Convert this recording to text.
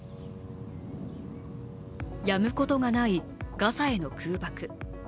やむことがないガザへの空爆。